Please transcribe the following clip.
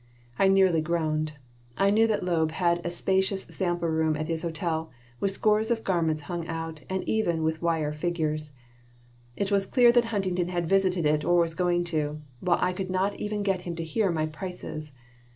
I nearly groaned. I knew that Loeb had a spacious sample room at his hotel, with scores of garments hung out, and even with wire figures. It was clear that Huntington had visited it or was going to, while I could not even get him to hear my prices.